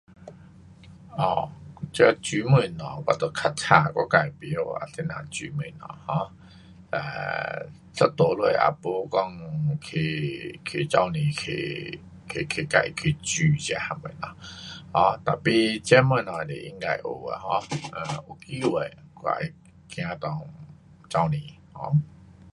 哦，这煮东西我就较差，我自不晓啊怎样煮东西，um um 一路下也没讲去，去厨房坐，去，去自去煮这样东西，tapi 这啊哪东西是应该学的 um，有机会，我也会走内厨房 um